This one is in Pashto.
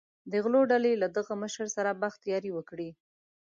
د غلو ډلې له دغه مشر سره بخت یاري وکړي.